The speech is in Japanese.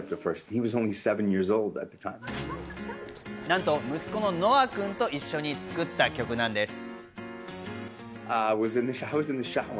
なんと息子のノア君と一緒に作った曲なんです。